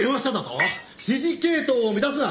指示系統を乱すな！